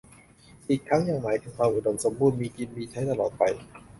อีกทั้งยังหมายถึงความอุดมสมบูรณ์ มีกินมีใช้ตลอดไป